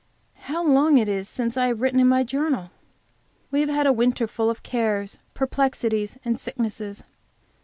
How long it is since I have written in my journal! We have had a winter full of cares, perplexities and sicknesses.